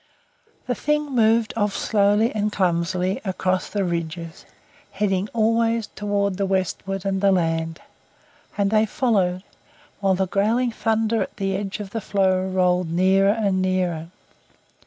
The Thing moved off slowly and clumsily across the ridges, heading always toward the westward and the land, and they followed, while the growling thunder at the edge of the floe rolled nearer and nearer.